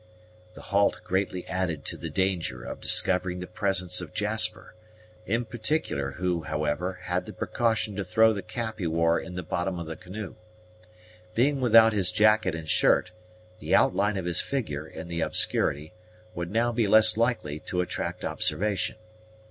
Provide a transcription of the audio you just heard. The halt greatly added to the danger of discovering the presence of Jasper, in particular, who, however, had the precaution to throw the cap he wore into the bottom of the canoe. Being without his jacket and shirt, the outline of his figure, in the obscurity, would now be less likely to attract observation.